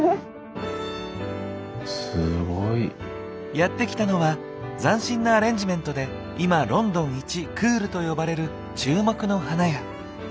やって来たのは斬新なアレンジメントで今ロンドン一クールと呼ばれる注目の花屋。